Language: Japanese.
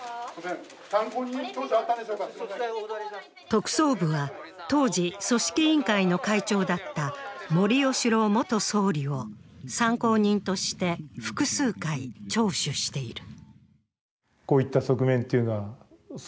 特捜部は当時、組織委員会の会長だった森喜朗元総理を参考人として複数回聴取している。